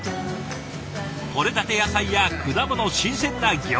とれたて野菜や果物新鮮な魚介類。